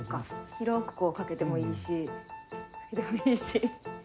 広くかけてもいいしこれでもいいし。